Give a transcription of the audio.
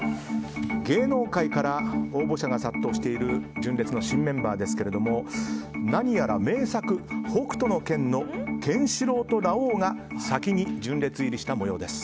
芸能界から応募者が殺到している純烈の新メンバーですけれども何やら名作「北斗の拳」のケンシロウとラオウが先に純烈入りした模様です。